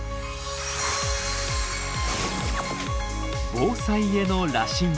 防災への羅針盤